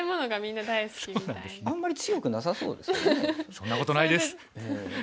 そんなことないです！